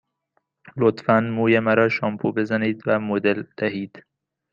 لطفاً موی مرا شامپو بزنید و مدل دهید.